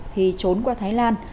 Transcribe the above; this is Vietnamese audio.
thì trốn qua thái lan